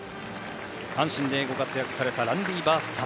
阪神でご活躍されたランディ・バース様。